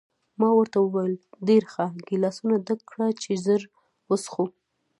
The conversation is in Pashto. ما ورته وویل: ډېر ښه، ګیلاسونه ډک کړه چې ژر وڅښو.